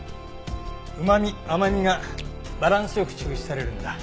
うまみ甘みがバランス良く抽出されるんだ。